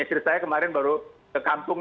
istri saya kemarin baru ke kampung